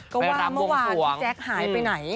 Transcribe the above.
ก็ว่าเมื่อวานพี่แจ๊คหายไปไหน